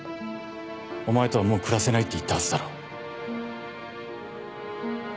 お前とはもう暮らせないって言ったはずだろ。